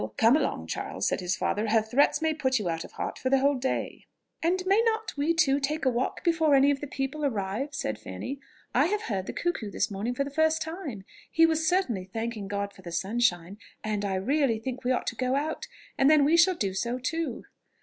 "Come along, Charles," said his father; "her threats may put you out of heart for the whole day." "And might not we too take a walk before any of the people arrive?" said Fanny. "I have heard the cuckoo this morning for the first time. He was certainly thanking God for the sunshine; and I really think we ought to go out, and then we shall do so too."